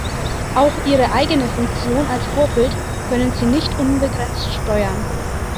Auch ihre eigene Funktion als Vorbild können Sie nicht unbegrenzt steuern.